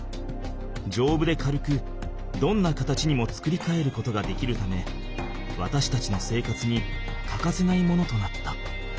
丈夫で軽くどんな形にも作り変えることができるためわたしたちの生活にかかせないものとなった。